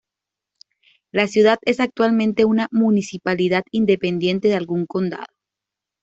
La ciudad es actualmente una municipalidad independiente de algún condado.